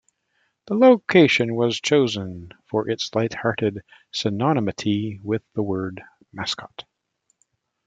The location was chosen for its lighthearted synonymity with the word mascot.